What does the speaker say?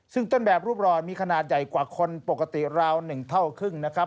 ซึ่งต้นแบบรูปรอยมีขนาดใหญ่กว่าคนปกติราว๑เท่าครึ่งนะครับ